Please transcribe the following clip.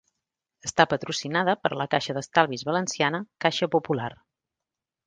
Està patrocinada per la caixa d'estalvis valenciana Caixa Popular.